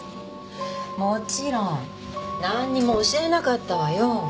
もちろんなんにも教えなかったわよ。